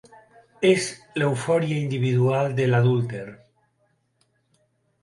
És l'eufòria individual de l'adúlter.